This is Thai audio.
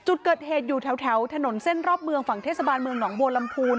จุดเกิดเหตุอยู่แถวถนนเส้นรอบเมืองฝั่งเทศบาลเมืองหนองบัวลำพูน